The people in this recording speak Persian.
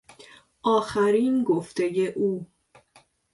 آخرین گفتهی او